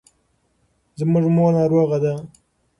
زما مور ناروغه ده.